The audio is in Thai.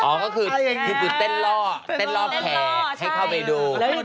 ก็คือเต้นล่อแขกให้เข้าไปดู